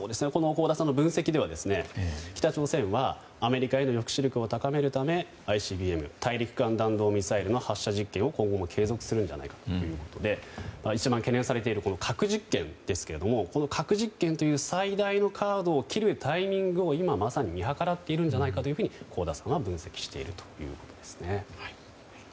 香田さんの分析では北朝鮮はアメリカへの抑止力を高めるためＩＣＢＭ・大陸間弾道ミサイルの発射実験を今後も継続するんじゃないかということで一番懸念されている核実験という最大のカードを切るタイミングを今まさに見計らっているのではないかと香田さんは分析しています。